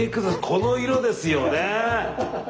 この色ですよね！